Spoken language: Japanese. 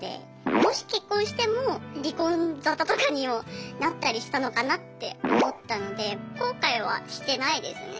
もし結婚しても離婚沙汰とかにもなったりしたのかなって思ったので後悔はしてないですね。